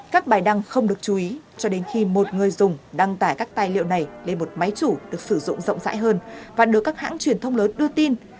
các bài đăng không được chú ý cho đến khi một người dùng đăng tải các tài liệu này lên một máy chủ được sử dụng rộng rãi hơn và được các hãng truyền thông lớn đưa tin